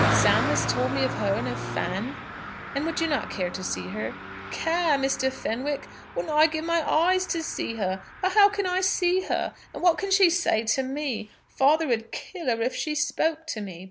"Sam has told me of her and of Fan." "And would you not care to see her?" "Care, Mr. Fenwick! Wouldn't I give my eyes to see her? But how can I see her? And what could she say to me? Father 'd kill her if she spoke to me.